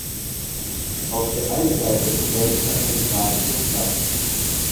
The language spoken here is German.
Auf der einen Seite begrenzte eine Straße den Platz.